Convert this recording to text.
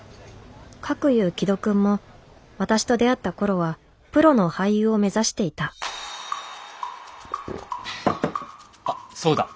かくいう紀土くんも私と出会った頃はプロの俳優を目指していたあっそうだ。